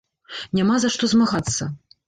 Няма за што змагацца.